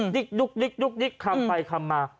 ดรึกดรกดรกดรกดรกดรกถามไปถามมา